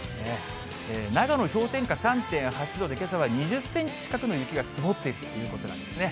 長野氷点下３．８度で、けさは２０センチ近くの雪が積もっているということなんですね。